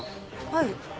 はい。